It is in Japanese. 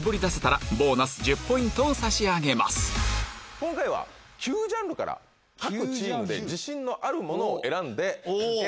今回は９ジャンルから各チームで自信のあるものを選んで。